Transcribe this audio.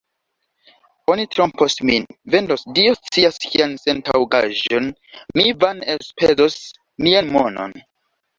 Oni trompos min, vendos Dio scias kian sentaŭgaĵon, mi vane elspezos mian monon.